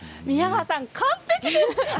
宮川さん、完璧です。